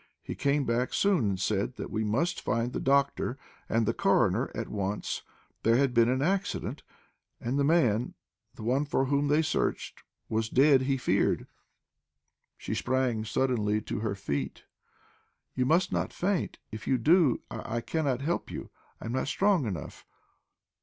He came back soon, and said that we must find the doctor and the coroner at once; there had been an accident, and the man the one for whom they searched was dead, he feared." She sprang suddenly to her feet. "You must not faint. If you do, I I cannot help you; I am not strong enough."